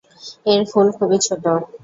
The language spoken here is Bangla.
এর ফুল খুবই ছোট।